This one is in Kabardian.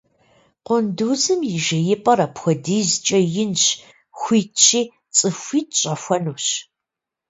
Къундузым и жеипӀэр апхуэдизкӀэ инщ, хуитщи цӀыхуитӀ щӀэхуэнущ.